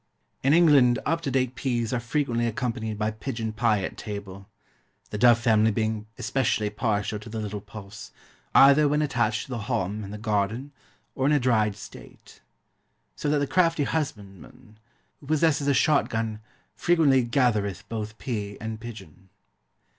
In England up to date peas are frequently accompanied by pigeon pie at table; the dove family being especially partial to the little pulse, either when attached to the haulm, in the garden, or in a dried state. So that the crafty husbandman, who possesses a shot gun, frequently gathereth both pea and pigeon.